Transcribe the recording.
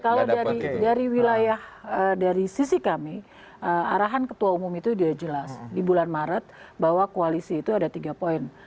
kalau dari wilayah dari sisi kami arahan ketua umum itu sudah jelas di bulan maret bahwa koalisi itu ada tiga poin